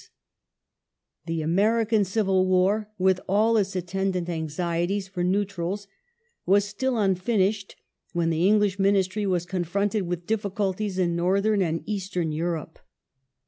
^ Polish The American Civil War, with all its attendant anxieties for i86q neutrals, was still unfinished when the English Ministry was con fronted with difficulties in Northern and Eastern Europe.